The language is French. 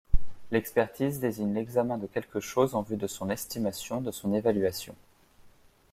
L'expertise désigne l'examen de quelque chose en vue de son estimation, de son évaluation.